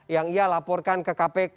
yang ia laporkan ke kpk